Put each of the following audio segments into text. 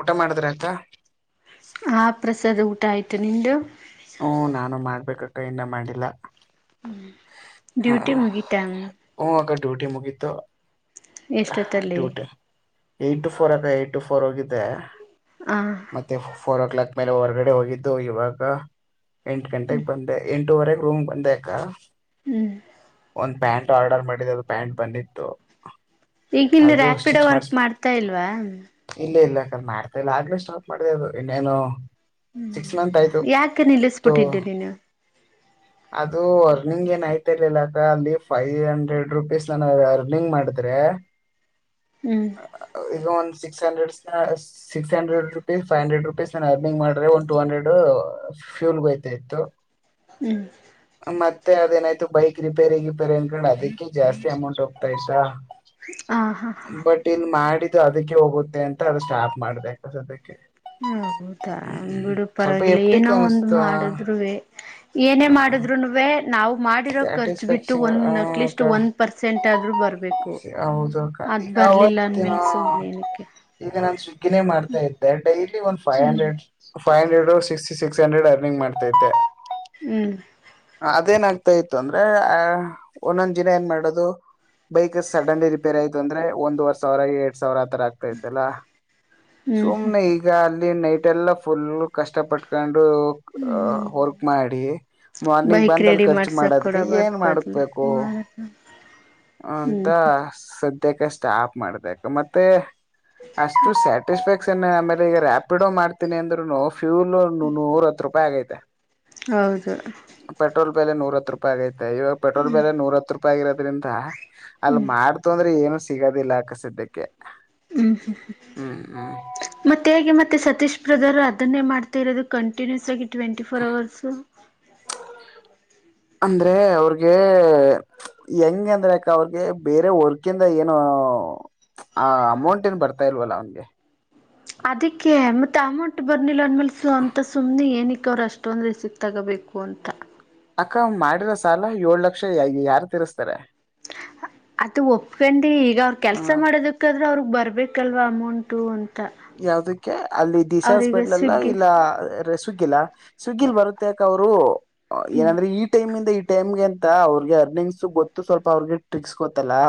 ಊಟ ಮಾಡಿದ್ರ ಅಂತಾ ಹಾ ಪ್ರಸಾದ ಊ ಹತಯತ ನಿಂದುು ಹ್ಮ ನಾನು ಮಾಡ್ಬೇಕಕ್ಕ ಇನ್ನ ಮಾಡಿಲ್ಲ ಹ ಡ್ಯೂಟಿ ಮುಗಿತನ್ ಹ್ಮ ಅಕ್ಕ ಡ್ಯೂಟಿ ಮುಗೀತ ಎಷ್ಟೊತ್ತಲ್ಲಿ ಟಟ ಎಟ್ ಟು ಫೋರ್ ಅ ಏಟು ಪರೋಗಿದೆ ಹ ಮತ್ತೆ ಫೋರ್ ಓ ಕ್ಲಾಕ್ ಆ ಮೇಲೆ ಹೊರ್ಗಡೆ ಹೋಗಿದ್ದು ಇವಾಗ ಎಂಟು ಗಂಟೆಗೆ ಬಂದ ಎಂಟವರೆಗೆ ರೂಮ್ ಒಂದಕ್ಕ ಹ್ಮ್ ಒಂದು ಪ್ಯಾಂಟ ಆರ್ಡರ್ ಮಾಡಿದ್ದ ಅದು ಪ್ಯಾಂಟ್ ಬಂದಿತ್ತು ಈಗಿಂದ ಅದು ರಾಪಿಡ ಸ್ಟಿಚ್ ವರ್ಕ್ ಮಾಡ್ಸ್ ಮಾಡ್ತಾ ಇಲ್ವಾ ಯಾಕ್ರ ಮಾಡ್ತಾ ಇಲ್ಲ ಆಗ್ಲೇ ಸ್ಟಾಪ್ ಮಾಡಿದೆ ಅದು ಇನ್ನೇನು ಸಿಕ್ಸ್ ಮಂತ್ ಹ್ಮ ಆಯ್ತು ಯಾಕೆ ನಿಲ್ಲಿಸಬಿಟ್ಟಿದ್ದೆ ನೀನು ಅದು ಅರ್ನಿಂಗ್ ಏನ್ ಯ್ತಿ ಇರ್ಲಿಲ್ಲ ಅಕ್ಕ ಅಲ್ಲಿ ಫೈವ್ ಹಂಡ್ರೆಡ್ ರುಪೀಸ್ ನಾನ ಅರ್ನಿಂಗ್ ಮಾಡಿದ್ರೆ ಹ್ಮ್ ಇನ್ six hundred six hundred rupees five hundred rupees ನ ಅರ್ನಿಂಗ್ ಮಾಡ್ರೆ ಒನ್ ಟೂ ಹಂಡ್ರೆಡ್ ಫ್ಯೂಲ್ ಗೋಯ್ತ ಇತ್ತು ಹ್ಮ್ ಮತ್ತ ಅದೇನಾಯ್ು ಬೈಕ್ ರಿಪೇರಿ ರಿಪೇರಿ ಅನ್ಕೊಂಡು ಅದಕ್ಕೆ ಜಾಸ್ತಿ ಅಮೌಂಟ್ ಹೋಗ್ತಾ್ತಾ ಹ ಹಾ ಹಾ ಬಟ್ ಇಲ್ಲಿ ಮಾಡಿ ಅದಕ್ಕೆ ಹೋಗುತ್ತೆ ಅಂತ ಅದು ಸ್ಟಾಫ್ ಮಾಡ್ಬೇಕ ಸದಕ್ಕೆ ಹೌದಾ ಬಿಡು ಸ್ವಲ್ಪ ಪರವಾಗಿಲ್ಲ ಎಪ್ಟಿಕ್ ಏನೋ ಒಂದ್ ಅನಿಸ್ತು ಮಾಡಿದ್ರು ಏನೇ ಆ, ಮಾಡುದ್ರುನುೇ ನಾವು ಮಾಡಿರೋ ಖರ್ಚು ಬಿಟ್ಟು ಸ್ಯಾಟಿಸ್ಫ್ಯಾಕ್ಷನ್ ಆ, ಒಂದು ಅಟ್ಲೀಸ್ಟ್ ಕ- ಒಂದು ಪರ್ಸೆಂಟ್ ಆದರೂ ಬರಬೇಕು ಹೌದು ಅಕ್ಕ. ಅದು ಈಗ ಬರಲಿಲ್ಲ ಅಂದಮೇಲೆಸ ಏನಕ್ಕೆ ಹ ಕ್ಕಿನೇ ಮಾಡ್ತಾ ಇದ್ದೆ ಡೈಲಿ ಒಂದ್ ಫೈವ್ ಹ್ಮ್ hundred five hundred six six hundred earning ಮಾಡ್ತೈತೆ ಹ್ಮ್ ಅದೇನ್ ಆಗ್ತಾ ಇತ್ತು ಅಂದ್ರೆ ಆ ಒಂದೊಂದ್ ದಿನ ಏನ್ ಮಾಡೋದು ಬೈಕ್ ಸಡನ್ಲಿ ರಿಪೇರ್ ಆಯ್ತು ಅಂದ್ರೆ ಒಂದ ವರ್ಷ ಅವರಾಗಿ ಎಡ್ ಸಾವಿರ ಹತ್ರ ಆಗ್ತಾ ಇತೆ ಅಲ್ಲ ಹ್ಮ್ ಹ್ಮ್ ಸುಮ್ನೆ ಈಗ ಅ ನೈಟ್ ಎಲ್ಲಾ ಫುಲ್ ಕಷ್ಟ ಪಟ್ಕೊಂಡ ವರ್ಕ್ ಮಾಡಿ ನನಗ್ ಬೈಕ್ ಬಂದಲ್ಲಿ ರೆಡಿ ಖರ್ಚು ಮಾಡ್ಸಕ್ ಕೂಡ ಮಾಡೋದ್ಕ್ಕೆ ಬದ್ ಏನ್ ಬದ್ಲು ಮಾಡಕ್ಬೇಕು ಅಂತ ಹ್ಮ್ ಸದ್ಯಕ್ಕೆ ಸ್ಟಾಪ್ ಮಾಡ್ಬೇಕ ಮತ್ತೆ ಅಷ್ಟು ಸಟಿಸ್ಫಕ್ ಆಮೇಲೆ ಈಗ ರಾಪಿಡ್ೋ ಮಾಡ್ತೀಿ ಅಂದ್ರುೋ ಫ್ಯೂಲ್ ನೂರತ್ತ್ತು ರೂಪಾಯಿ ಆಗೈತಿ [inaudible] ಹೌದು ಪೆಟ್ರೋಲ್ ಪಹಲೆ ನೂರತ್ತು ರೂಪಾಯಿ ಆಗೈತಿ ಇವಾಗ ಪೆಟ್ರೋಲ್ ಬೆಲೆ ನೂರ ಹತ್ ರೂಪಾಯಿ ಆಗರೋದ್ರಿಂದ ಅಲ್ಲಿ ಮಾಡ್ತು ಅಂದ್ರೆ ಏನು ಸಿಗೋದಿಲ್ಲ ಆಕ್ಕಸಿದ್ದ್ಯಕ್ಕೆ ಹ್ಮ್ ಹ್ಮ್ ಹ್ಮ್ ಮತ್ತೆ ಹೇಗೆ ಮತ್ತೆ ಸತೀಶ್ ದರು ಅದನ್ನೇ ಮಾಡ್ತಾ ಇರೋದು ಕಂಟಿನ್ಯೂಸ್ ಆಗಿ ಟ್ವೆಂಟಿಫೋರ್ ಅವವರ್ಸ ಅಂದ್ರೆ ಅವ್ರಗೆ ಹೆಂಗ ಅಂದ್ರೆ ಅಕ ಅವ್ರಗೆ ಬೇರೆ ವರ್ಕಿಂದ ಏನು ಆ ಅಮೌಂಟ್ ಏನ್ ಬರ್ತಾ ಇಲ್ವಲ್ಲ ಅವನ್ಿಗೆ ಅದಕ್ಕೆ ಮತ್ತೆ ಅಮೌಂಟ್ ಬರ್ನಿಲ್ಲ ಅಂದ್ಮೇಲ್ ಫ ಅಂತ ಸುಮ್ಮಿ ನ ಸಿಕ್ಕ ಅವ್ರ ಅಷ್ಟೊಂದ್ರೆ ಸಿಕ್ ತಗಬೇಕು ಅಂತ ಅಕ್ಕ ಮಾಡಿರೋ ಸಾಲ ಏಳ ಲಕ್ಷ ಯಾರು ತರ್ಸ್ತಾರೆ ಅದು ಒಪ್ಕಂಡಿ ಈಗ ಅವ್ರ ಕೆಲ್ಸ ಹ್ಮ ಮಾಡೋದಕ್ಕಾದ್ರೆ ಅವ್ರಗ್ ಬರ್ಬೇಕ ಕಲ್ವ ಮೌಂಟೂನ್ ಯಾವದಕ್ಕೆ ಅಲ್ಲಿ ದಿಶಾ ಹಾಸ್ಪೆಟ್ಲ್ ಎಲ್ಲ ಸ್ವಿಗ್ಗಿ ಇಲ್ಲ ರೆಸ್ ಸುಗ್ಗಿಲಾ ಸುಗ್ಗಿಲ್ ಬರುತ್ತಕ ಅವರು ಏನಂದ್ರೆ ಈ ಟೈಮ್ಂದ ಇ ಟೈಮ್ಗೆ ಎಂತ ಅವ್ರಿಗೆ ಅರ್ನಿಂಗ್ಸ್ ಗೊತ್ತು ಸ್ವಲ್ಪ ಅವ್ರ ಟ್ರಿಕ್ಸ್ ಗೊತ್ತಲ್ಲಾ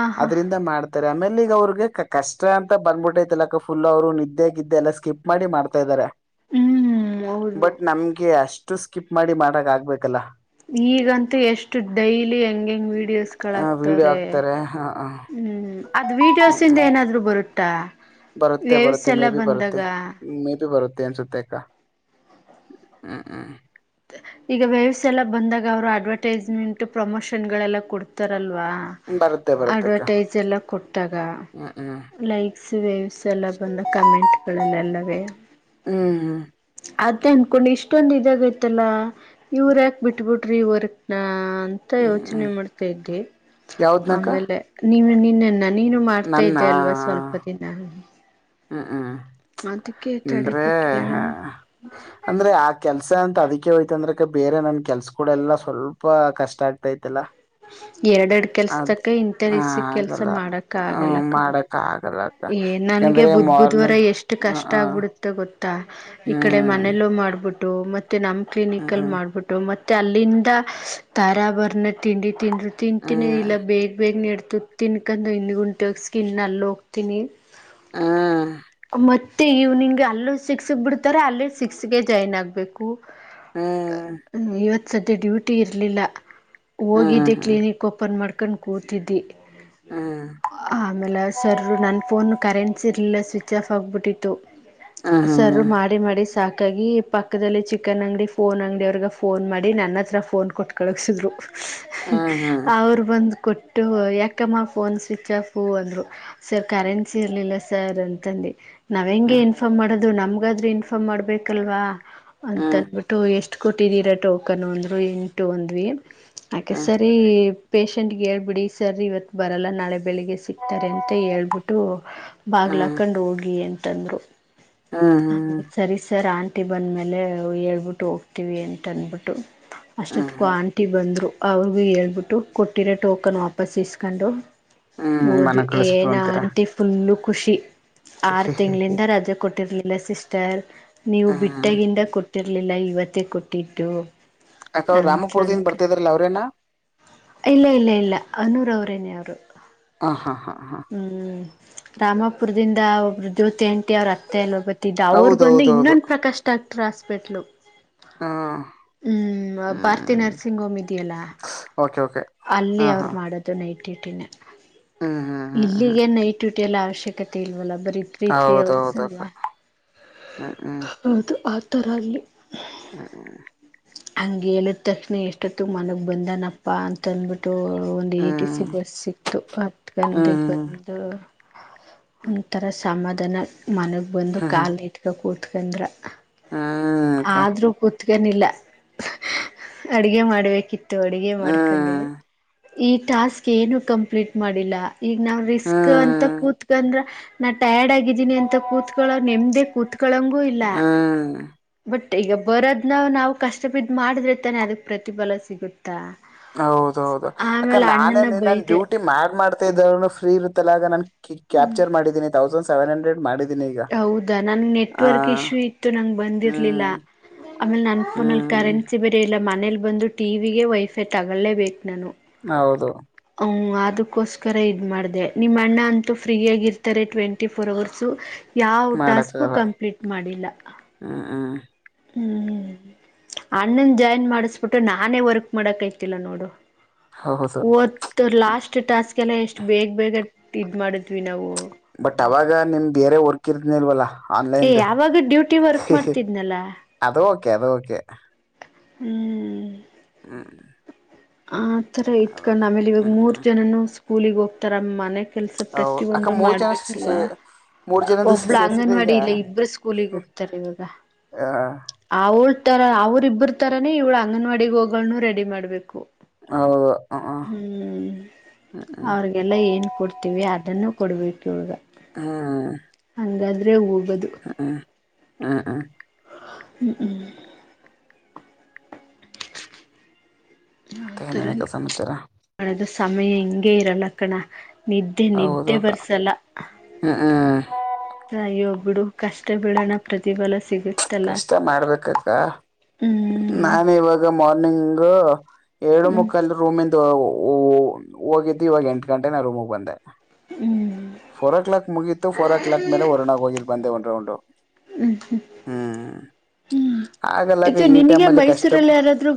ಆ ಹಾ ಅದ್ರಿಂದ ಮಾಡ್ದ ಎಮ ಎಲ್ ಈಗ ಅವ್ರಿಗೆ ಕಷ್ಟ ಅಂತ ಬಂದ್ಬಿಟ್ಟೈತಿಲ್ಲ ಫುಲ್ ಅವರು ನಿದ್ದೆಗಿದ್ದೆ ಎಲ್ಲ ಸ್ಕಿಪ್ ಮಾಡಿ ಮಾಡ್ತಾ ಇದ್ದಾರೆ ಹ್ಮ್ ಹೌದು ಬಟ್ ನಮ್ಗೆ ಅಷ್ಟ ಅಷ್ಟು ಸ್ಕಿಪ್ ಮಾಡಿ ಮಾಡಕ್ ಆಗ್ಬೇಕಲ್ಲ ಈಗಂತೂ ಎಷ್ಟು ಡೈಲಿ ಹೆಂಗ ಹೆಂಗ್ ಹ ವಿಡಿಯೋ ವೀಡಿಯೋಸ್ಗಳಾಗಕ್ತವ್ರೆ ಹಾಕ್ತಾರೆ ಹ ಹ್ಮ್ ಅದ್ ವಿಡಿಯೋಸ ಇಂದ ಏನಾದ್ರು ಬರುತ್ ತ್ತಾ ಬರುತ್ತೆ ಬರುತ್ತೆ ಮೇಬಿ ಬರುತ್ತೆ ಮೇಬಿ ಬರುತ್ತೆ. ತೆ ಅನ್ಸುತ್ತೆ ಅಕ್ಕಾ ಹ್ಮ್ ಹ್ಮ್. ಈಗ ವೇವ್ಸ್ ಎಲ್ಲ ಬಂದಾಗ ಅವ್ರು ಅಡ್ವರ್ಟೈಸ್ಮೆಂಟ್ ಪ್ರಮೋಷನ್ ಗಳೆಲ್ಲ ಕೊಡ್ತಾರಲ್ವ. ವಾ ಬರುತ್ತೆ ಬರುತ್ತೆ ಅಕ್ಕ ಅಡ್ವಟೈಸ್ ಎಲ್ಲ ಕೊಟ್ಟಾಗ ಹ್ಮ್ ಹ್ಮ್ ಲೈಕ್ಸ್ ವೇವ್ಸ್ ಎಲ್ಲ ಬಂದ ಕಮೆಂಟ್ ಗಳಲ್ಲಲ್ಲ. ವೆ ಹ್ಮ್ ಹ್ಮ ಅದ ಅಂದ್ಕೊಂಡೇ ಇಷ್ಟೊಂದ್ ಇದ್ದಾವೆ ಮತ್ತಲ್ಲಾ ಇವ್ರ ಯಾಕ ಬಿಟ್ಬಿಟ್ರಿ ಇವರ್ಕ್ ನ. ಅ ಹ್ಮ್ ಯೋಚನೆ ಹ್ಮ್ ಮಾಡ್ತಾ ಇದಿ ಯಾವ್ದನಕ್ಕ ಆಮೇಲೆ ನೀವ್ ನೀ. ನಿನ್ನ ನೀನು ಮಾಡ್ತಾ ಇದ್ದೆ ಅಲ್ವಾ ಸ್ವಲ್ಪ ದಿನ. ಹ್ಮ ಹ್ಮ ಅದಕ್ಕೆ ಅಂದ್ರೆ ತಡೆಪಕ್ಕೆ ಹ ಹೇಳೋಣ ಅಂದ್ರೆ ಆ ಕೆಲ್ಸ ಅಂತ ಅದಕ್ಕೆ ಹೋಯ್ತಂದ್ರೆ. ಗ ಬೇರೆ ನನ್ ಕೆಲ್ಸ ಕೂಡ ಎಲ್ಲಾ ಸ್ವಲ್ಪ ಕಷ್ಟ ಆಗ್ತಾತಿಲ್ಲ. ಎರಡ್ ಎರಡ್ ಕೆಲ್ಸದಪೇ ಹ ಇಂಟರಿಸ್ ಕೆಲ್ಸ ಆಗಲ್ಲ ಮಾಡಕ ಹ ಆಗಲ್ಲ ಕಣ ಮಾಡಕ್ ಆಗಲ್ಲ ಅಕ್ಕ ಹ ಗೆ ಯಾಕಂದ್ರೆ ಬುದ್ ಬುದ್ ಬುದ್ ವಾರ ಮಾರ್ನಿಂಗ್ ಎಷ್ಟು ಕಷ್ಟ ಹ ಆಗ್ಬಿಡುತ್ತೆ ಗೊತ್ ತಾ ಈ ಕಡೆ ಹ್ಮ್ ಮನೇಲೂ ಮಾಡ್ಬಿಟ್ ಟೂ ಮತ್ ಮತ್ತೆ ನಮ್ಮ್ ಕ್ಲಿನಿಕ್ ಅಲ್ಲಿ ಹ್ಮ್ ಮಾಡ್ಬಿಟ್ಟು ಮತ್ತೆ. ತೆ ಅಲ್ಲಿಂದ ತರಾಬರ್ನೆ ತಿಂಡಿ. ತಿಂದ್ರು ತಿಂತಿನ ಹ್ಮ್ ಇಲ್ಲ ಬೇಗ ಬೇಗ ನಡ್ ತ ತಿನ್ ಕಂದು ಇಲ್ [unintelligible] ಸ್ಕಿನ್ ನಲ್ಲೋೋಗ ತಿನ್ನಿ ಹ್ಮ್ ಮ್ ಮತ್ತೆ ಈವ್ನಿಂಗ್ ಅಲ್ಲೂ ಸಿಕ್ಸ್ ಗೆ ಬಿಡ್ತಾರೆ ಅಲ್ಲೇ ಸಿಕ್ಸ್ಗೆ ಜಾಯ್ನ್ ಆಗಬೇಕು. ಹ್ಮ್ ಸದ್ಯ ಡ್ಯೂಟಿ ಇಲಿಲ್ಲ. ಹ್ಮ್ ಹೋಗಿದ್ದೆ ಹ್ಮ್ ಹ್ಮ್ ಕ್ಲಿನಿಕ್ ಓಪನ್ ಮಾಡ್ಕ ಕಂಡ್ ಕೂತಿದ್ದಿ ಆಮೇಲೆ ಸರ್ ಅವನ್ನು ಕರೆನ್ಸ್ ಇರ್ಲಿಲ್ಲ ಸ್ವಿಚ್ ಆಫ್ ಆಗಿಬಿಟ್ಟಿತ್ತು. ಹ್ಮ್ ಸರ್ ಹ್ಮ್ ಮಾಡಿ ಮಾಡಿ ಸಾಕ ಹಾಗಾಗಿ ಪಕ್ಕದಲ್ಲಿ ಚಿಕನ್ ಅಂಗಡಿ ಫೋನ್ ಅಂಗಡಿ ಅವ್ರಗೆ ಫೋನ್ ಮಾಡಿ ನನ್ನ ಹತ್ರ ಫೋನ್ ಕೊಟ್ಟು ಕಳಗ್ಸಿದ್ರು ಹ್ಮ್ ಹ್ಮ್ ಹ್ಮ್ ಅವರು ಬಂದು ಕೊಟ್ಟ ಯಾಕಮ್ಮ ಫೋನ್ ಸ್ವಿಚ್ ಆಫು ಅಂದರು ಸರ್ ಕರೆನ್ಸಿ ಇರ್ಲಿಲ್ಲ ಸರ್ ಅಂತಂದೇ ನಾವ್ ಹೆಂಗೆ ಇನ್ಫಾರ್ಮ್ ಮಾಡೋದು ಅದು ನಮ್ಗಾದ್ರೆ ಇನ್ಫಾರ್ಮ್ ಮಾಡ್ಬೇಕಲ್ವಾ ಹ್ಮ್ ಹ್ಮ್ ಹ್ಮ್ ಹ್ಮ್ ಅಂತನ್ಬಿಟ್ಟು ಎಷ್ಟು ಕೊಟ್ಟಿದೀರ ಟೋಕನ್ ಅಂದ್ರು ಎಂಟು ಅಂದ್ವಿ [unintelligible] ಸರಿ ಪೇಷೆಂಟ್ಗೆ ಹೇಳ್ಬಿಡಿ ಸರ್ ಇವತ್ತು ಬರಲ್ಲ ನಾಳೆ ಬೆಳಿಗ್ಗೆ ಸಿಗ್ತಾರೆ ಅಂತ ಹೇಳ್ಬಿಟ್ಟು ಬಾಗ್ಲಾಕೊಂಡ್ ಹೋಗಿ ಅಂತ ತಂದರು ಹ್ಮ್ ಹ್ಮ್ ಹಾ ಹ್ಮ್ ಸರಿ ಸರ್ [unintelligible] ಆಂಟಿ ಬಂದಮೇಲೆ ಹೇಳ್ಬಿಟ್ಟು ಹೋಗ್ತೀವಿ ಅಂತನ್ಬಿಟ್ಟು ಅಷ್ಟೊತಿಗೆ ಆಂಟಿ ಬಂದರು ಅವ್ರಿಗು ಹೇಳ್ಬಿಟ್ಟು ಕೊಟ್ಟಿರೋ ಟೋಕನ್ ವಾಪಸ್ ಇಸ್ಕೊಂಡು ಹ್ಮ್ [unintelligible] ಏನ್ ಅಂತೀರಾ ಆಂಟಿ ಫುಲ್ಲು ಖುಷಿ ಆರು ತಿಂಗಳಿಂದ ರಜೆ ಕೊಟ್ಟಿರ್ಲಿ ಸಿಸ್ಟರ್ ನೀವು ಹ್ಮ್ ಬಿಟ್ಟಗಿಂದ ಕೊಟ್ಟ ಕೊಟ್ಟಿರ್ಲಿಲ್ಲ ಇವತ್ತೇ ಕೊಟ್ಟಿದ್ದು ಅಕ್ಕಾ ಅವ್ರ ಅಂತ ರಾಮಪುರದಿಂದ ಅಂದ್ಕೊಂಡು. ಬರ್ತಿದ್ರಲ್ಲ ಅವ್ರೇನ ಇಲ್ಲ ಇಲ್ಲ ಇಲ್ಲ ಅನೂರ್ ಅವರೇನೇ ಅವರು ಹಾ ಹ ಹಾ ಹಾ ಹ್ಮ್ ರಾಮಪುರದಿಂದ ಅವ್ರು ಜ್ಯೋತಿ ಆಂಟಿ ಅವ್ರರುತ್ತೆ ಬತಿದ್ದ ಅವರು ಬಂದು ಹೌದೌದೌದು ಇನ್ನೊಂದು ಪ್ರಕಾಶ್ ಡಾಕ್ಟರ್ [unintelligible] ಹ್ಮ್ ಹ್ಮ್ ಭಾರತಿ ಹ್ಮ್ ನರ್ಸಿಂಗ್ ಹೋಮ್ ಇದೆಯಲ್ಲ ಓಕೆ ಓಕೆ [inaudible] ಹಾ ಅಲ್ಲಿ ಹಾ ಅವ್ರು ಮಾಡೋದು ನೈಟ್ [unintelligible] ಹ್ಮ್ ಹ್ಮ್ ಹ್ಮ್ ಹ್ಮ್ ಇಲ್ಲಿಗೆೇ ನೈಟ್ ಡ್ಯೂಟಿ ಎಲ್ಲ ಅವಶ್ಯ ಕತ ವಲಬ ತ್ರೀ ತ್ರೀ ಅವರ್ಸ್ ಹೌದೌದು ಅಲ್ವಾ ಹ್ಮ್ ಹೌದು ತರಾಗಿ ಹ್ಮ ಹಂಗೆ ಹೇಳಿದ ತಕ್ಷಣ ಎಷ್ಟೊತ್ತು ಮನಗೆ ಬಂದನಪ್ಪ ಅಂತಂದ್ಬಿಟ್ಟು ಒಂದು ಎ ಟಿ ಸಿ ಹ್ಮ್ ಬಸ್ ಸಿಕ್ತು ಅ ಬಂದು ಹ್ಮ್ ಬಂದು ಒಂತರಸ ಶಮ್ಮಧನ ಮನೆಗ್ ಬಂದು ಕಾಲು ಇಟ್ಕ ಕೂ ಉಕಧ್ರ ಹ್ಮಕ ತ್ಕನಿಲ್ಲ ಅಡಗೆ ಮಾಡ್ಬೇಕಿತ್ತು ಮ ಅಡುಗೆ ಹ್ಮ್ ಮಾಡ್ಕೊಂಡವು ಈ ಟಾಸ್ಕ್ ಏನು ಕಂಪ್ಲೀಟ್ ಮಾಡಿಲ್ಲ ಈಗ ನಾವ ರಿಸ್ಕ್ ಅಂತ ಹ್ಮ್ ಕೂತ್ಕಂದ್ರ ನಾಟ್ಯಾಡ್ ಆಗಿ ೀನಿ ಅಂತ ಕೂತ್ಗಳು ನೆ್ದ ಕೂತ್ ಕಳಂಗೂ ಇಲ್ಲ ಹ್ಮ್ ಬಟ್ ಈಗ ಬರೋದ್ನ ನಾವು ಕಷ್ಟ ಬಿದ್ದ ಮಾಡಿದ್ರೆ ತಾನೆ ಅದಕ್ಕೆ ಪ್ರತಿಫಲ ಸಿಗುತ್ತೆ ಹೌದೌದು ಅಕ್ಕ ಅಣ್ಣನ ನಾನೇನ್ ನನ್ ಬೈದೆ ಡ್ಯೂಟಿ ಮಾಡ್ ಮಾಡ್ ಇದ ಫ್ರೀ ಇರುತ್ತೆ ನಾನು ಕ್ಯಾಪ್ಚರ್ ಮಾಡೀನಿ ತೌಸಂಡ್ ಸೆವೆನ್ ಹಂಡ್ರೆಡ್ ಮಾಡಿದ್ದನಿ ಹೌದಾ ನಂ ನೆಟ್ವರ್ಕ್ ಇಶ್ಯೂ ಇತ್ತು ನಂಗೆ ಬಂದಿರ್ಲಿಲ್ಲ ಹ್ಮ್ ಆಮೇಲೆ ನನ್ ಫೋನಲ್ಲಿ ಹ್ಮ್ ಕರೆನ್ಸಿ ಬರ ಇಲ್ಲ ಮನಲಿ ಬಂದು ಟಿವ ವಿಿಗೆ ವೈಫೈ ತಗೊೊಳ್ಳೇಬೇಕು ನಾನು ಹೌದು ಹ ಅದಕೋಸ್ಕರ ಇದ್ ಮಾಡ್ದ ನಿಮ್ಮ ಅಣ್ಣ ಅಂತೂ ಫ್ರೀ ಆಗ ಇರ್ತಾರೆ ಟ್ವೆಂಟಿ ಫೋರ್ ಅವರ್ಸು ಯಾವ ಟಾಸ್ಕು ಮಾಡಕ್ಕಾಗಲ್ಲ ಕಂಪ್ಲೀಟ್ ಮಾಡಿಲ್ಲ ಹ್ಮ್ ಹ್ಮ್ ಹ್ಮ್ ಅಣ್ಣನ್ ಜಾಯ್ನ್ ಮಾಡಿಸಬಿಟ್ಟು ನಾನೇ ವರ್ಕ್ ಮಾಡಕ್ತಿಲ್ಲ ನೋಡು ಹೌದು ಇತ್ತು ಲಾಸ್ಟ್ ಟಾಸ್ಕ್ ಎಲ್ಲ ಎಷ್ಟು ಬೇಗ ಬೇಗ ಇದ್ ಮಾಡಿದ್ವಿ ನಾವು ಬಟ್ ಅವಾಗ ನಿಮ್ ಬೇರೆ ವರ್ಕನಿಲ್ವಲ್ಲ ಏ ಯಾವಾಗ ಡ್ಯೂಟಿ ವರ್ಕ್ ಮಾಡ್ತಿದ್ನಲ್ಲ ಅದು ಓಕೆ ಅದು ಓಕೆ ಹ್ಮ್ ಹ್ಮ್ ಆ ಆ ತರ ಅದು ಇತ್ಕಂಡ್ ಆಮೇಲೆ ಇವಾಗ ಹ್ಮ್ ಮೂರ್ ಜನನು ಕೂಲಿಗೆ ಹೋಗ್ತಾರ ಮನೆ ಕೆಲ್ಸ ಅಕ್ಕ ಪ್ರತಿಯೊಂದು ಮೂರ್ ಜನ ಮಾಡ್ಬೇಕಲ್ವಾ ಮೂರ್ ಜನದ್ದು ಒಬ್ಳ ಸೇರ್ಸಿದೆ ಈಗ ಅಂಗನವಾಡಿ ಇಲ್ಲ ಇಬ್ಬ್ರ ಸ್ಕೂಲಿಗೆ ಹೋಗ್ತಾರೆ ಇವಾಗ ಹ ಆವಳ್ ತರ ಅವ್ರ ಇಬ್ಬರ ತರಾನೇ ಇವ್ಳ ಅಂಗನವಾಡಿಗೆ ಹೋಗುಗಳನ್ನು ರೆಡಿ ಮಾಡ್ಬೇಕು ಹೌದು ಹ್ಮ್ ಹ್ಮ್ ಹ್ಮ್ ಅವ್ರಿಗೆಲ್ಲ ಏನ್ ಕೊಡ್ತ ವಿ ಅದನ್ನು ಕೊಡಬೇಕು ಇವುಳಗ ಹಾ ಹ ಹಂಗಾದ್ರೆ ಹ ಹ್ಮ ಹ ಹಾ ಹ್ಮ್ ಹ್ಮ್ ಮತ್ತೆ ಆತರನೇ ಏನನಕ್ಕ ಸಮಾಚಾರ ಮಾಡೋದು ಸಮಯ ಹಿಂಗೆ ಇರಲಕ್ಕಣ ನಿದ್ದೆ ಹೌದು ನಿದ್ದೆ ಅಕ್ಕ ಬರ್ಸಲ್ಲ ಹ್ಮ್ ಹ್ಮ್ ತಯೊ ಬಿಡು ಕಷ್ಟ ಬಿಡೋಣ ಪ್ರತಿಫಲ ಸಿಗುತ್ತೆ ಕಷ್ಟ ಮಾಡ್ಬೇಕಕ್ಕ ಹ್ಮ್ ನಾನು ಇವಾಗ ಮಾರ್ನಿಂಗ್ ಹಾ ಏಳು ಹ್ಮ್ ಮುಕ್ಕಾಲ್ ರೂಮ ಹೋಗಿದ್ದು ಇವಾಗ ಎಂಟು ಗಂಟೆನ ರೂಮಗೆ ಬಂದೆ ಹ್ಮ್ ಫೋರ್ ಕ್ಲಾಕ್ ಮುಗೀತು ಫೋರ್ ಕ್ಲಾಕ್ ಮೇಲೆ ವರ್ಣ ಹೋಗಿದ್ ಬಂದೆ ಒನ್ ರೌಂಡ್ ಹ್ಮ್ ಹ್ಮ್ ಹಾಗಲ್ಲ ಇದು ಈ ನಿನಗೆ ಟೈಮ್ಲಕಷ್ಟ ಮೈಸೂರಲ್ಲಿ ಯಾರಾದ್ರೂ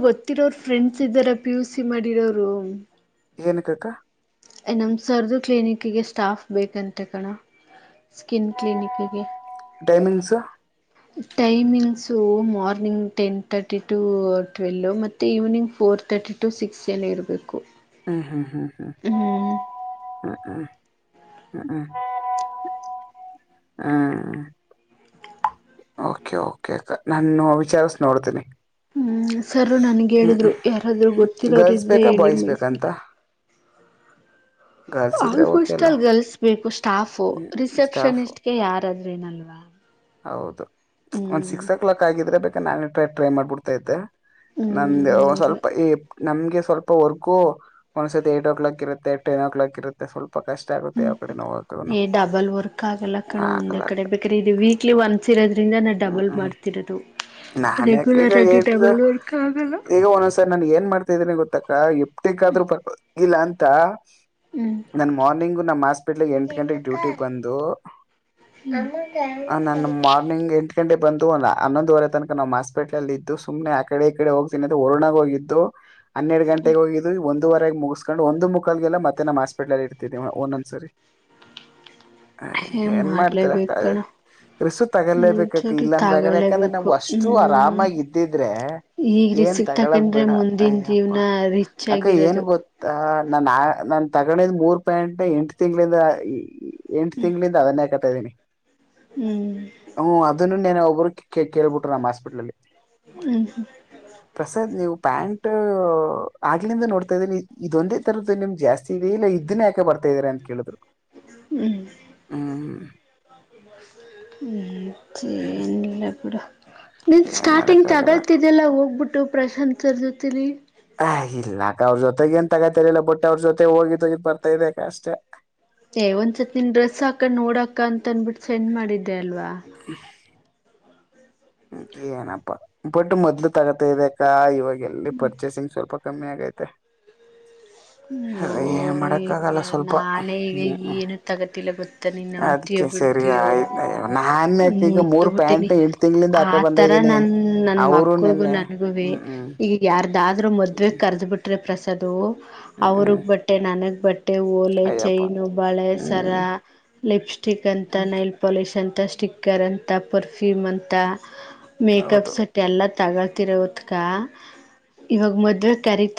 ಡರೋ ಏನಕ್ಕೆ ಅಕ್ಕ ನಮ್ಮ ಸರದು ಕ್ಲಿನಿಕಿಗೆ ಸ್ಟಾಫ್ ಬೇಕಂತೆ ಕಣ ಸ್ಕಿನ್ ಕ್ಲಿನಿಕಿಗೆ ಟೈಮಿಂಗ್ಸ್ ಟೈಮಲ್ಸ್ so morning ten thirty to twelve ಮತ್ತು evening four thirty to six ಏನ ಇರಬೇಕು ಹಾ ಹಾ ಹಾ ಹ್ಮ್ ಹ್ಮ್ ಹ್ಮ್ ಹ್ಮ್ ಹ ಕೆ ಕೆ ಅ ನಾನು ವಿಚಾರಸ ನೋಡ್ತೇನಿ ಹ್ಮ್ ಸರು ನನ್ಗೆ ಹೇಳಿದ್ರು ಯಾರಾದ್ರರು ಗೊತ್ತಿರೋರು ಗರ್ಲ್ಸ್ ಇದ್ರೆ ಬೇಕಾ ಹೇಳಿ ಬಾಯ್ಸ್ ಮಳಿಸಿ ಬೇಕಂತ ಗರ್ಲ್ಸ್ ಇದ್ರೆ ಓಕೆ ಅಲ್ಲ ಆಲ್ಫಸ್್ಟಲ್ ಗಲ್ಸ್ ಬುಸ್ ಸ್ಟಾಫೋ ಹ್ಮ್ ಸ್ಟಾಫ್ ರಿಸೆಪ್ಷನಿಸ್ಟ್ಗೆ ಯಾರಾದ್ರ ನಲ್ವಾ ಹೌದು ಹ್ಮ್ ನಾನ ಟ್ರೈ ಮಾಡ್ಿಡ್ತ ಇದ್ದತೆ ನಮ್ದ ಹ್ಮ್ ಇಲ್ಲ ಸ್ವಲ್ಪ ನಮ್ಗೆ ಸ್ವಲ್ಪ ವರ್ಕು ಒಂದ್ಸತಿ ಏಟು ಕ್ಲಾಕ್ ಇರುತ್ತೆ ಟೆನ್ ಕ್ಲಾಕ್ ಇರುತ್ತೆ ಸ್ವಲ್ಪ ಕಷ್ಟ ಆಗುತ್ತೆ ಆ ಕಡೆ ನೋದು ಹೇ ಡಬಲ್ ವರ್ಕ್ ಆಗಲ್ಲ ಕಣೋ ಒಂದ ಕಡೆ ಬೇಕ್ರೆ ಇ ವೀಕ್ಲಿ ಒನ್ [unintelligible] ಹ್ಮ್ ಹ್ಮ್ ನಾನ ಈಗ ರೆಗ್ಯುಲರ್ ಆಗಿ ಡಬಲ್ ವರ್ಕ್ ಆಗಲ್ಲ ಈಗ ಒಂದೊಂದ್ಸರಿ ನಾನು ಏನ್ ಮಾಡ್ತಾದ್ದೀನಿ ಗೊತ್ತ [unintelligible] [unintelligible] ಇಲ್ಲ ಅಂತ [unintelligible] ಹ್ಮ್ ನನ್ನ ಮಾರ್ನಿಂಗ್ ನಮ್ಮ ಹಾಸ್ಪಿಟಲ್ ಎಂಟು ಗಂಟೆಗೆ ಡ್ಯೂಟಿ ಬಂದು ನನ್ ಮಾರ್ನಿಂಗ್ ಎಂಟು ಗಂಟೆ ಬಂದು ಒಂದು ಹನ್ನೊಂದುವರೆ ತನಕ ನಮ್ಮ್ ಹಾಸ್ಪಿಟ್ಲ್ ಇದ್ದು ಸುಮ್ನೆ ಆ ಕಡೆ ಈ ಕಡೆ ಹೋಗ್ತೀನಿ ವರುಳು ಹೋಗಿದ್ದು ಹನ್ನೆರಡು ಗಂಟೆಗೆ ಹೋಗಿದ್ದು ಒಂದುವರೆ ಮುಗಸ್ಕೊಂಡ್ ಒಂದು ಮುಖಾಲ್ಗೆಲ್ಲ ಮತ್ತೆ ನಮ್ಮ್ ಹಾಸ್ಪಿಟಲ್ ಅಲ್ಲೇ ಇರ್ತ ಒಂದೊಂದ್ಸರಿ ಏನ್ ಮಾಡ್ತೀರ ಮಾಡ್ಲೇಬೇಕು ಕಣ ರಿಸ್ಕ್ಯ್ಕ್ ತಗಲೇಬೇಕ ನಿಜವಾಗ್ಲೂ ಇಲ್ಲಾಂದ್ರಗ ಯಾಕಂದ್ರೆ ನಾವ್ ತಗೊಳ್ಳೇಬೇಕು ಅಷ್ಟು ಹ್ಮ್ ಆರಾಮಾಗಿ ಇದ್ದಿದ್ರೆ ಈಗ ಏನ್ ರಿಸಿಕ್ ತಗಳದ ತಕೊಂಡ್ರೆ ಬೇಡ ಮುಂದಿನ ಅಯ್ಯಪ್ಪ ಜೀವನ ರಿಚ್ ಅಕ್ಕ ಏನ್ ಆಗಿರೋದು ಗೊತ್ತಾ ನನ್ ಆ ನಾನ್ ತಗೊಂಡಿದ್ ಮೂರ್ ಪ್ಯಾಂಟ್ನ ಎಂಟು ತಿಂಗಳಿಂದ ಎಂಟ ತಿಂಗಳಿಂದ ಅದನೆ ಹಾಕೋತಿದೀನಿ ಹ್ಮ್ ಅದನ್ನು ನೆನ್ನೆ ಒಬ್ರು ಕೇಳ್ಬಿಟ್ಟ ನಮ್ಮ ಹಾಸ್ಪಿಟ್ಲ ಅಲ್ಲಿ ಹ್ಮ್ ಹ್ಮ್ ನೀವು ಪ್ಯಾಂಟ್ ಆಗ್ಲಿಂದ ನೋಡ್ತಾ ಇದೀನಿ ಇದೊಂದೇ ತರದ್ದು ನಿಮ್ ಜಾಸ್ತಿ ಇದೆ ಇಲ್ಲ ಇದನ್ನೇ ಯಾಕೆ ಬರ್ತಾ ಇದಾರೆ ಅಂತ ಕೇಳಿದ್ರು ಹ್ಮ್ [inaudible] ಹ್ಮ್ ಹ್ಮ್ ಹ್ಮ್ [unintelligible] ಬಿಡ ನೀನ್ ಏನ್ ಸ್ಟಾರ್ಟಿಂಗ್ ಮಾಡಕ್ ಆಗಲ್ಲ ತಗೊಳ್ತಿದ್ದಲ್ಲ ಹೋಗ್ಬಿಟ್ಟು ಪ್ರಶಾಂತ್ ಸರ್ ಜೊತೆಲ್ಲಿ ಹಾ ಇಲ್ಲಾಕ ಅವ್ರ ಜೊತೆಗ ನ್ ತಗತರಿಲ್ಲ ಬಟ್ಟ ಅವ್ರ ಜೊತೆ ಹೋಗಿದ್ ಹೋಗಿದ್ ಬರ್ತಾ ಇದ್ದಾ ಅಷ್ಟೆ ಹೇ ಒಂದ್ಸತ್ ನಿನ್ ಡ್ರೆಸ್ ಹಾಕ ನೋಡಾಕ್ಕ ಅಂತ ಅಂದನ್ಬಿಟ್ಟು ನಿನ್ ಸೆಂಡ್ ಮಾಡಿದ್ದೆ ಅಲ್ವಾ ಹ್ಮ್ ಏನಪ್ಪಾ ಬಟ್ ಮೊದ್ಲು ತಗತ ಇದೆಕ್ಕಾ ಇವಾಗ ಎಲ್ಲಿ ಪರ್ಚೇಸಿಂಗ್ ಸ್ವಲ್ಪ ಕಮ್ಮಿ ಆಗೈತೆ ಏನ್ ಮಾಡಕ್ ಆಗಲ್ಲ ಅಯ್ಯೋ ಸ್ವಲ್ಪ ನಾನೇ ಈಗ ಹ್ಮ್ ಏನು ತಗತಿಲ್ಲ ಗೊತ್ತ ನೀನ್ ನಂಬತಿಯೋ ಅದಕ್ಕೆ ಸರಿ ಬಿಡ್ತಯೋ ಆಯ್ತ [unintelligible] ಈಗ ಮೂರ್ ಪ್ಯಾಂಟ್ ತಿಂಗಳಿಂದ ಹಾಕ ಬಂದ ಆತರ ಇದ್ದೀನಿ ನನ್ ನನ್ ಅವರು ಮಕ್ಳಗೂ ನಿನ್ನೆ ನನ್ಗೂ ಹ್ಮ್ ಹ್ಮ್ ಈಗ ಯ ಆದ್ರೂ ಮದ್ವೆ ಕರ್ದ್ ಬಿ್ರೆ ಪ್ರ ಅದು ಹ್ಮ್ ಹ್ಮ್ ಅವ್ರಗ್ ಬಟ್ಟೆ ನನಗ್ ಬಟ್ಟೆ ಓಲೆ ಅಯ್ಯಪ್ಪ ಚೈನು ಬಳೆ ಸರ ಹ್ಮ್ ಲಿಪ್ಸ್ಟಿಕ್ ಅಂತ ನೈಲ್ ಪೊಾಲೀಶ್ ಅಂತ ಸ್ಟಿಕ್ಕರ್ ಅಂತ ಪರ್ಫ್ಯೂಮ್ ಅಂತ ಹೌದು ಮೇಕಪ್ ಸಟ್ಯಲ್ಲ ತಗೊಳ್ತಿರೋ ಹೊತ್ಕ ಇವಾಗ ಮದ್ೆ ಕ್ಯರೆಕ್ಟರ್